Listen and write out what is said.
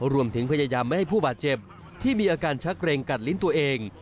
รวมถึงพยายามไม่ให้ผู้บาดเจ็บที่มีอาการชักเกรงกัดลิ้นตัวเอง